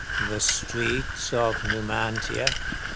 The streets of Numantia.